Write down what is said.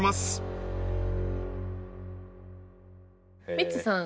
ミッツさん